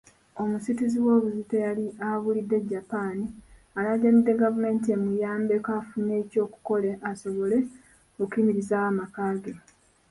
Omusituzi w'obuzito eyali abulidde e Japan, alaajanidde gavumenti emuyambeko afune ekyokukola asobole okuyimirizaawo amaka ge.